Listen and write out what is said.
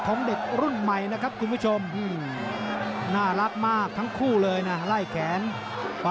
คือที่เทพสุภิงชัดผู้รองเป็นแรก